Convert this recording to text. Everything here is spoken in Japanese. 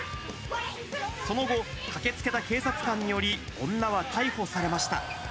その後、駆けつけた警察官により、女は逮捕されました。